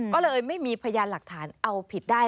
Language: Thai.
ก็เลยไม่มีพยานหลักฐานเอาผิดได้